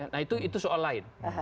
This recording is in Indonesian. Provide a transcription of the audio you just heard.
nah itu soal lain